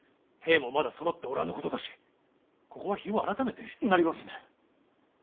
兵もまだそろっておらぬことだしここは日を改めて。なりませぬ。